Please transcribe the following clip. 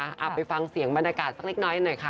เอาไปฟังเสียงบรรยากาศสักเล็กน้อยหน่อยค่ะ